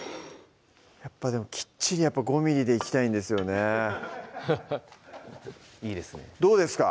やっぱでもきっちり５ｍｍでいきたいんですよねいいですねどうですか？